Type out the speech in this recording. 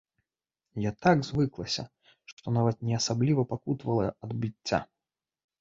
Я так звыклася, што нават не асабліва пакутавала ад біцця.